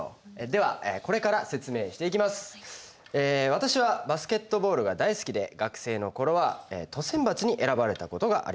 私はバスケットボールが大好きで学生の頃は都選抜に選ばれたことがあります。